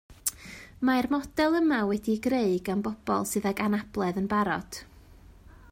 Mae'r model yma wedi'i greu gan bobl sydd ag anabledd yn barod